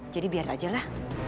jadi biar aja lah